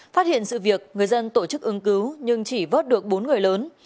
phát hiện sự việc người dân tổ chức ứng cứu nhưng chỉ vớt được bốn người lớn